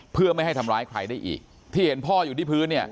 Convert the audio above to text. เพื่อไม่ให้ทำร้ายใครได้อีกที่เห็นพ่ออยู่ที่พื้นเนี่ย